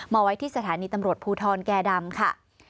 ไว้ที่สถานีตำรวจภูทรแก่ดำค่ะ